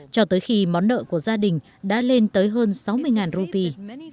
cho tới khi món nợ của gia đình đã lên tới hơn sáu mươi rupee